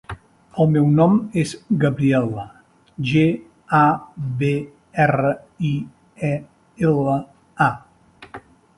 El meu nom és Gabriela: ge, a, be, erra, i, e, ela, a.